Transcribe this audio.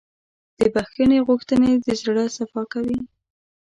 د بښنې غوښتنه د زړه صفا کوي.